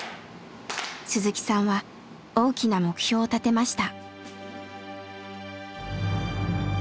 鈴木さんは大きな目標を立てました。